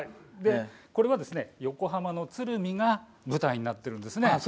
これは横浜の鶴見が舞台になっているんですね。